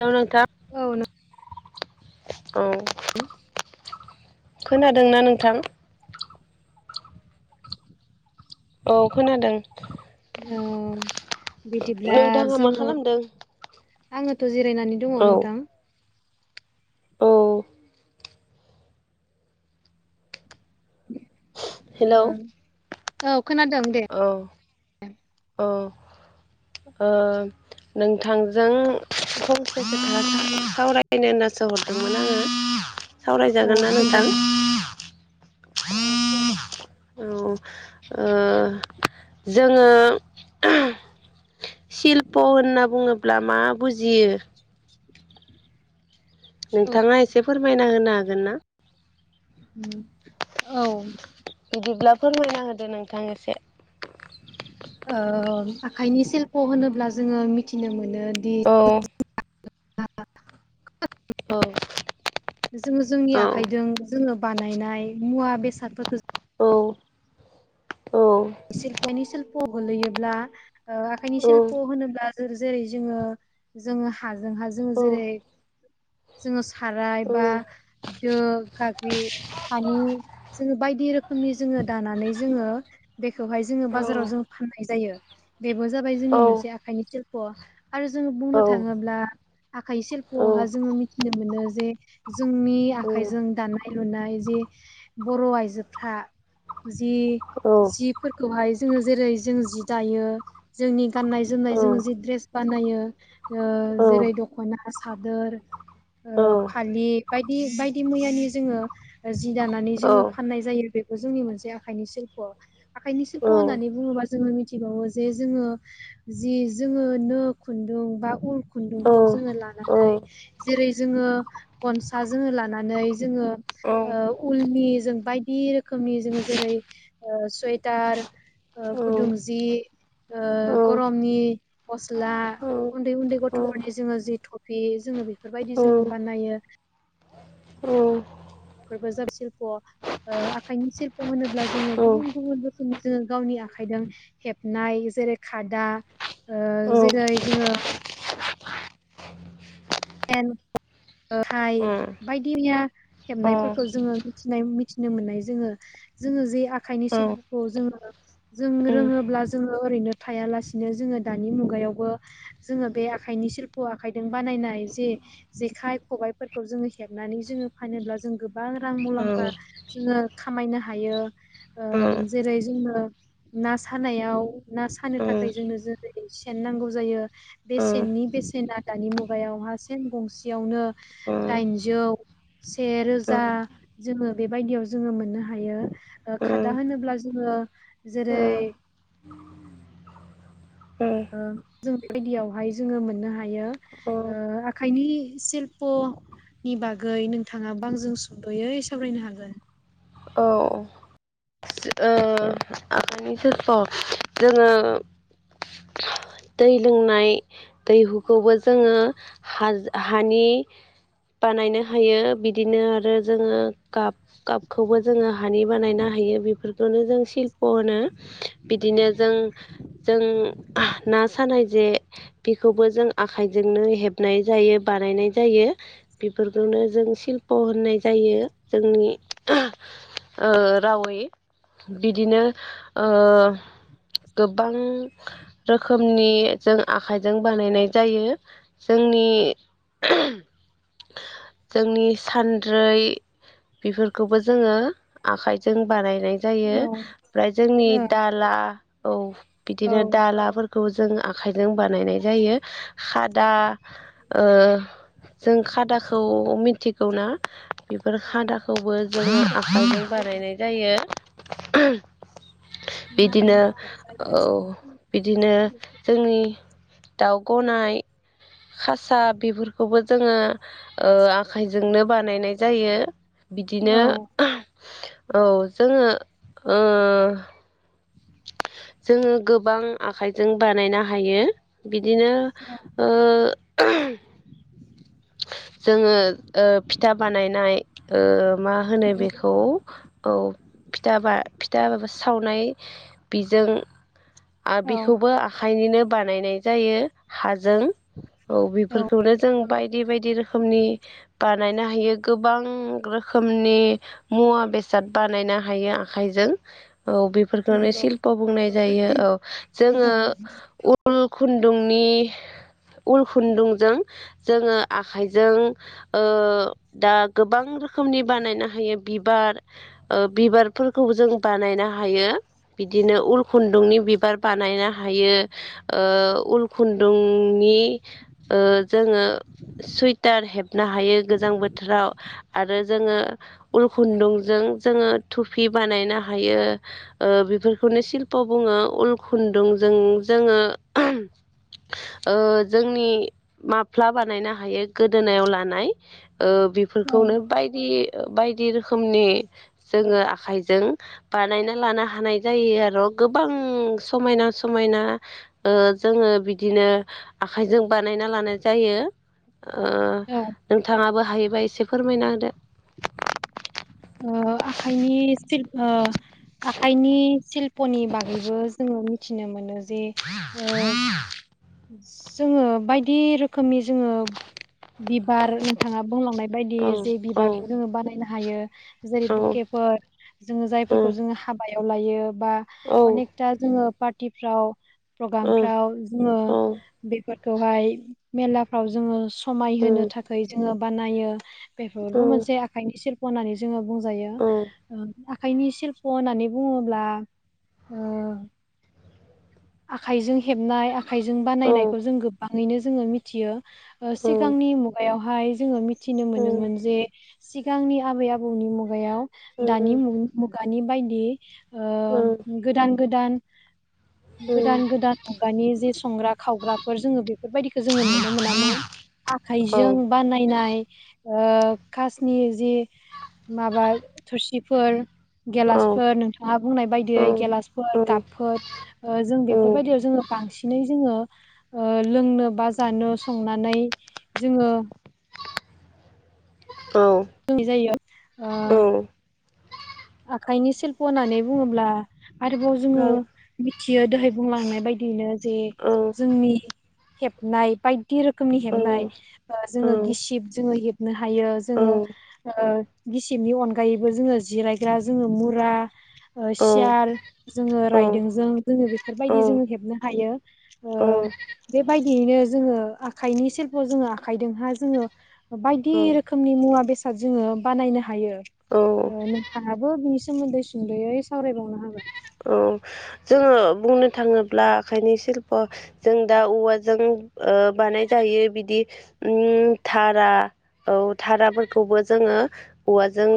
औ नोंथां। औ औ नोंथां खोनादोंना नोंथां? औ खोनादों। औ बिदिब्ला नोंथाङा मा जोङो खालामदों आङोथ' ज बुजायनानै दङ औ नोंथां। औ। अ औ खोनादों दे औ-औ। ओ नोंथांजों फंसे खोथा सावरायनो ओननासो हरदोंमोन आङो। औ सावरायजागोनना नोंथां? सोंजागोन औ ओ जोङो शिल्प' होनना बुङोब्ला मा बुजियो? औ नोंथाङा एसे फोरमायना होनो हागोन ना? उम औ। बिदिब्ला फोरमायना होदो नोंथां एसे। ओ आखाइनि सिल्प' होनोब्ला जोङो मिथिनो मोनो दि औ जोङो जोंनि औ आखाइजों जोङो बानायनाय मुवा बेसादफोरखौ औ। औ शिल्पनि शिल प गोलैयोब्ला औ उम औ आखाइनि शिल्प' होनोब्ला जेरै जोङो हा जोंहा जोङ जेरै [unintelligible] जोङो साराय बा दो गाख्रि हानि जोङो बायदि रोखोम नि जोङो दानानै जोङो बेखौहाय जोङो बाजाराव जो फाननाय जायो। बेबो जाबाय जोंनि मोनसे आखाइनि शिल्प आरो जोङो बुंनो थाङोब्ला आखाइ शिल्प'आवहा जोङो मिथिनो मोनो जे जोंनि आखाइजों दानाय लुनाय जे बर' आइजोफ्रा जि जिफोरखौहाय जोङो जेरै जों जि दायो जोंनि गान्नाय जोमनाय जोङो जि द्रेस बानाय यो ओ जेरै दख'ना सादोर ओ फालि बायदि बायदि मैयानि जोङो जि दानानै जोङो फाननाय जायो। बेखौ जोंनि मोनसे आखाइनि शिल्प'। आखाइनि सिल्प' होननानै बुङोबा जोङो मिथिबावो जे जोङो जि जोङो नो खुन्दुं बा ऊल खुन्दुंखौ जोङो लानानै जेरै जोङो खनसा जोङो लानानै जोङो ऊलनि जों बायदि रोखोमनि जों जेरै सुवेटार ओ गुदुं जि ओ गरमनि गस्ला औ उन्दै उन्दै औ गथ'फोरनि जोङो जि थफि जोङो बेखौ बेफोरबायदि जोङो ओ बानायो। बेफोरबो जाब शिल्प ओ आखाइनि शिल्प' होनोब्ला जोङो गुबुन गुबुन रोखोमनि जोङो गावनि आखायजों हेबनाय जेरै खादा ओ जेरै जोङो [unintelligible] हाय बायदिमैया हेबनायफोरखौ जोङो मिथिनाय मिथिनो मोननाय जोङो जोङो जे आखाइनि सिल्पखौ जोङो जों रोङोब्ला जोङो ओरैनो थायालासिनो जोङो दानि मुगायावबो जोङो बे आखाय नि सिल्प' आखाइदों बानायनाय ज जेखाइ खबायाइफोरखौ जोङो हेबनानै जोङो फानोब्ला जों गो गोबां रां मुलाम्फा जोङो खामायनो हायो ओ जेरै जोङो ना सानायाव ना सानो थाखाय जोंनो जेरै सेन नांगौ जायो बे सेननि बे सेना दानि मुगायाव हा सेन गंसेयावनो दाइनजौ से रोजा जोङो बेबायदियाव जोङो मोननो हायो ओ खादा होनोब्ला जोङो ओ जेरै [inaudible] ओ जों बेबायदियावहाय जोङो मोननो हायो ओ आखाइनि सिल्प'नि बागै नोंथाङा बांजों सुंद'यै सावरायनो हागोन। औ। सि ओ आखायनि [unintelligible] जोङो दै लोंनाय दैहुखौबो जोङो हाजों हानि बानायनो हायो बिदिनो आरो जोङो काप काप खौबो जोङो हानि बानायनो हायो बेफोरखौनो जों शिल्प' होनो बिदिनो जों जों ना सानाय जे बेखौबो जों आखाइजोंनो हेबनाय जाय‌ यो बानायनाय जायो बेफोरखौनो जों शिल्प' होननाय जायो जोंनि ओ रावै बिदिनो ओ गोबां रोखोमनि जों आखाइजों बानायनाय जायो जों जोंनि जोंनि सान्द्रै बेफोर खौबो जोङो आखाइजों बानायनाय जायो औ ओमफ्राय जोंनि औ दाला औ बिदिनो औ दालाफोरखौ जों आखायजों बानायनाय जायो। खादा ओ जों खादाखौ मिथिगौना? बेफोर खादाखौबो जों आखाइजों बानायनाय जायो। बिदिनो औ बिदिनो जोंनि दाउ गनाय खासा बेफोरखौबो जोङो ओ आखाइजोंनो बानायनाय जायो। दिनो औ जोङो ओ जोङो गोबां आखाइजों बानायनो हायो। बिदिनो ओ जोङो ओ फिथा बानायनाय ओ मा होनो बेखौ औ फिथा बा फिथा सावनाय बेजों आ औ बेखौबो आखाइनिनो बानायनाय जायो हा जों औ औ बेफोरखौनो जों बाय बायदि बायदि रोखोमनि बानायनो हायो गोबां रोखोमनि मुवा बेस साद बानायनो हायो आखाइजों। औ बेफोरखौनो नंगौ शिल्प' बुंनाय जायो औ जोङो उ ल खुन्दुंनि उल खुन्दुंजों जोङो आखाइजों ओ दा गोबां रोखोमनि बानायनो हायो बिबार ओ बिबारफोरखौबो जों बानायनो हायो बिदिनो उलखुन दुंनि बिबार बानायनो हायो ओ उल खुन्दुंनि ओ जोङो। सुइटार हेबनो हायो गोजां बोथोराव आरो जोङो उल खुन्दुंजों जोङो थुफि बानायनो हायो ओ बेफोरखौनो शिल्प' बुङो उल खुन्दुंजों जोङो जोंनि माफ्लाबा नायनो हायो गोदोनायाव लानाय ओ औ बेफोरखौनो बायदि बायदि रोखोमनि जोङो आखाइजों बानायना लानो हानाय जायो आर' गोबां समायना समायना ओ जोङो बिदिनो आखायजों बानाय ना लानाय जायो ओ औ नोंथाङाबो हायोबा एसे फोरमायना होदो। ओ आखायनि ओ आखाइनि सिशल्प'नि बागैबो जोङो थिनो मोनो जे‌ ओ जोङो बायदि रोखोमनि जोङो बिबार नोंथाङा बुंलांनाय बायदि औ जे औ बिबारखौ जोङो बानायनो हायो जेरै बुकेफोर जोङो जायफोरखौ जोङो हाबायाव लायो। बा अनेकथा जोङो पार्टिफ्राव प्रग्रामफ्राव जोङो बेफोरखौहाय मेलाफ्राव जोङो औ समायहोनो थाखाय जोङो बानायो बेफोरबो मोनसे आखायनि सिल्प होननानै बुंजायो आखाइनि सिल्फ' होननानै बुङोब्ला ओ आखाइजों हेबनाय आखाइ जों बानायनायखौ औ जों गोबाङैनो जों मिथियो ओ सिगांनि मुगायावहाय जों मि थिनो मोनोमोन जे सिगांनि आबै आबौनि मुगायाव दानि मुग [unintelligible] बायदि ओ औ गोदान गोदान औ गोदान गोदान मुगानि जे संग्रा खावग्राफोर जोङो बेफोरबायदिखौ जोङो नुनो मोनामोन आखाइजों बानायनाय ओ खासनि जि माबा थोरसिफोर गिलासफोर नोंथाङा बुंनाय बायदियै गिलासफोर कापफोर जों बेफोरबायदियाव जोङो बांसिन जोङो ओ लोंनो बा जानो संनानै जोङो लोंनाय जायो ओ आखाइनि सिल्प' होननानै बुङोब्ला आरोबाव जोङो [unintelligible] दहाय बुंलांनाय बायदियैनो जे जोंनि हेबनाय बाय [unintelligible] रोखोमनि हेबनाय ओ जोङो गिसिब जोङो हेबनो हायो जोङो ओ गिसिबनि अनगायैबो जोङो जिरायग्रा जोङो मुरा ओ सियार जोङो रायदोंजों जोङो बेफोरबायदि जोङो हेबनो हायो ओ बेबाय जोङो आखाइनि सिल्प' जोङो आखाइजोंहा जोङो बायदि रोखोमनि मुवा बेसाद जोङो बानायनो हायो औ बो बिनि सोमोन्दै सुंद'यै सावरायबावनो हागोन औ जोङो बुंनो थाङोब्ला आखायनि सिल्प' जों दा औवाजों ओ बानाय जायो [unintelligible] बिदि उम थारा औ थाराफोरखौबो जोङो औवाजों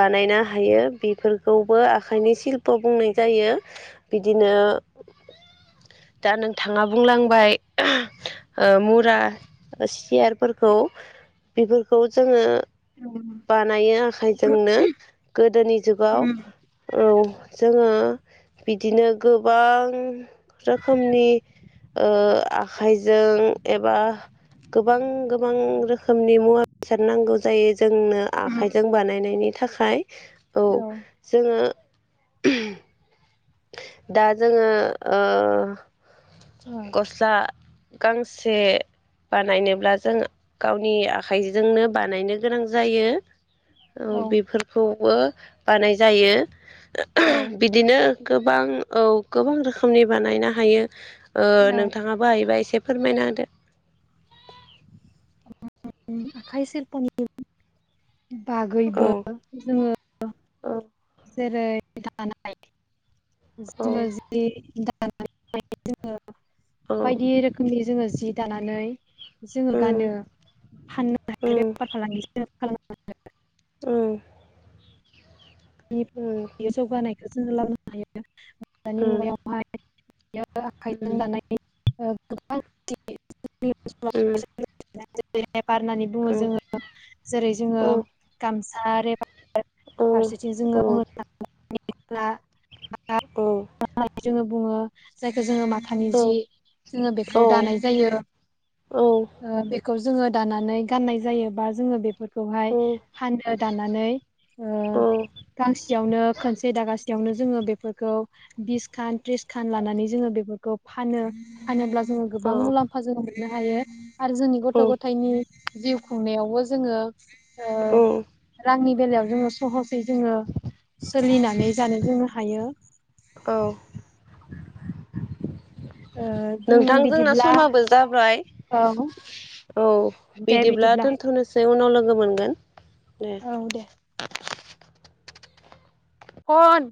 बानायनो हायो बेफोरखौ बो आखाइनि शिल्प बुंनाय जायो बिदिनो दा नोंथाङा बुंलांबाय ओ मुरा सियारफोरखौ बेफोरखौ जोङो बानायो आखाय जोंनो गोदोनि जुगाव उम औ जोङो बिदिनो गोबां रोखोमनि ओ आखाइजों एबा गोबां गोबां रोखोमनि मुवा बेसाद नांगौ जायो जोंनो उम आखाइजों बानायनायनि थाखाय औ जोङो दा जोंङो ओ ओ गसा गांसे बानायनोब्ला जों गावनि आखाइजोंनो बानायनो गोनां जायो औ बेफोरखौबो बानाय जायो औ बिदिनो गोबां औ गोबां रोखोमनि बानायनो हायो ओ औ नोंथांङाबो हायोबा एसे फोरमायना होदो [inaudible] [unintelligible] बागैबो जोंङो औ जेरै दानाय औ जोंङो जि दानाय जोंङो औ बायदि रोखोमनि जोंङो जि दानानै जोंङो गानो उम फाननोहायो बेफार फालांगि [unintelligible] औ जौगानायखो जोंङो लाबो हायो दानि मुगायावहाय लाबोनो हायो [unintelligible] उम [unintelligible] बुंङो जोंङो जेरै जोंङो औ गामसा रे औ फारसेथिं जोंङो बुंनो थांङोब्ला औ [unintelligible] जोंङो बुङो जायखो जोंङो मा थानि जि जोंङो औ बेखौ दानाय जायो औ ओ बेखौ जोंङो दानानै गाननाय जायो बा जोंङो बेफोर खौहाय फाननो दनानै ओ गांसेयावनो खनसे दागासे बेयावनो जोंङो बेफोरखौ बिस खान थ्रिस खान लानानै जोंङो बेफोरखौ फानो फानोब्ला जोंङो गोबां मुलाम्फा जोंङो मोननो हायो आरो जोंनि औ गथ' गथाइनि जिउ खुंनायावबो जोंङो ओ औ रांनि बेलायाव जोंङो सहस जोंङो सोलिनानै जानो जोंङो हायो [inaudible] ओ जों नोंथां जोंना बिदिब्ला समाबो जाबाय औ औ बिदिब्ला दोनथनोसै उनाव लोगो मोनगोन उम औ दे अन